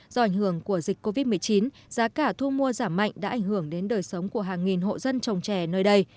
do ảnh hưởng của dịch covid một mươi chín giá cả thu mua giảm mạnh đã ảnh hưởng đến đời sống của hàng nghìn hộ dân trồng trẻ nơi đây